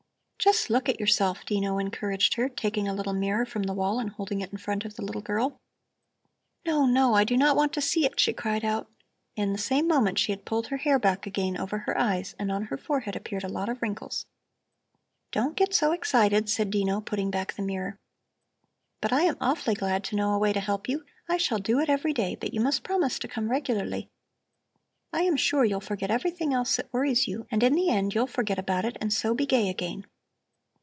"Just look at yourself!" Dino encouraged her, taking a little mirror from the wall and holding it in front of the little girl. "No, no, I do not want to see it!" she cried out. In the same moment she had pulled her hair back again over her eyes, and on her forehead appeared a lot of wrinkles. "Don't get so excited!" said Dino, putting back the mirror. "But I am awfully glad to know a way to help you. I shall do it every day, but you must promise to come regularly. I am sure you'll forget everything else that worries you, and in the end you'll forget about it and so be gay again."